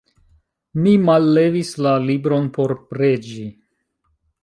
Mi mallevis la libron por preĝi.